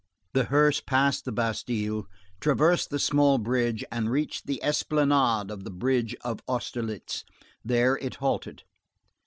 The hearse passed the Bastille, traversed the small bridge, and reached the esplanade of the bridge of Austerlitz. There it halted.